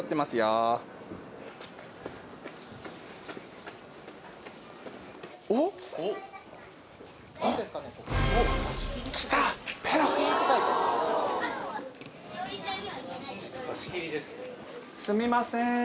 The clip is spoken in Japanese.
すみません。